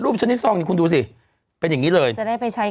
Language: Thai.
ชนิดซองนี่คุณดูสิเป็นอย่างนี้เลยจะได้ไปใช้